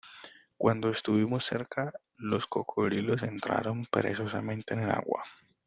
cuando estuvimos cerca, los cocodrilos entraron perezosamente en el agua.